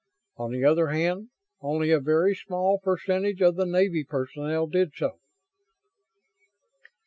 On the other hand, only a very small percentage of the Navy personnel did so."